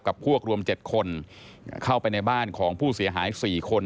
กับพวกรวม๗คนเข้าไปในบ้านของผู้เสียหาย๔คน